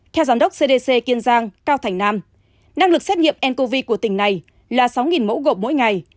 theo giám đốc cdc kiên giang cao thành nam năng lực xét nghiệm ncov của tỉnh này là sáu mẫu gộp mỗi ngày